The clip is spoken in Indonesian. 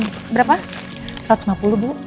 makasih ya pak makasih bu